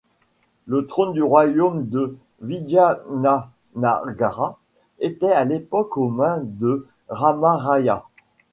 Le trône du Royaume de Vijayanâgara était à l'époque aux mains de Ramarâya.